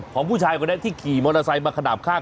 ของผู้ชายคนนั้นที่ขี่มอเตอร์ไซค์มาขนาดข้าง